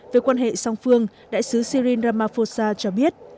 về quan hệ song phương đại sứ sirin ramaphosa cho biết